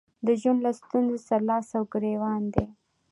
د ژوند له ستونزو سره لاس او ګرېوان دي.